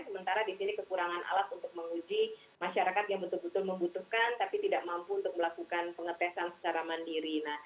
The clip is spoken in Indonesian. sementara di sini kekurangan